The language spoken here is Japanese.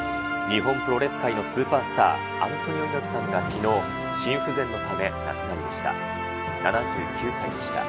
日本プロレス界のスーパースター、アントニオ猪木さんがきのう、心不全のため亡くなりました。